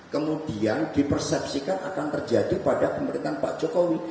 kemudian dipersepsikan akan terjadi pada pemerintah pak cokowi